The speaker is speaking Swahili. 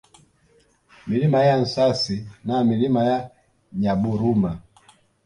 Milima ya Nsasi na Milima ya Nyaburuma